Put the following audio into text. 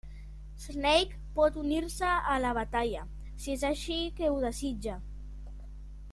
Snake pot unir-se a la batalla, si és així que ho desitja.